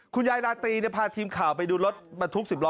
คุณยายราตรีเนี่ยพาทีมข่าวไปดูรถประทุกข์๑๐ล้อคู่ใจด้วยนะ